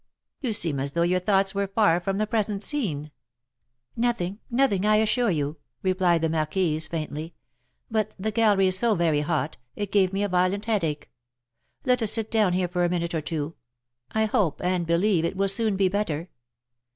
You seem as though your thoughts were far from the present scene." "Nothing, nothing, I assure you," replied the marquise, faintly; "but the gallery is so very hot, it gave me a violent headache. Let us sit down here for a minute or two. I hope and believe it will soon be better."